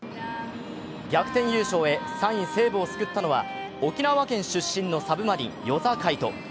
逆転優勝へ３位・西武を救ったのは沖縄県出身のサブマリン、與座海人。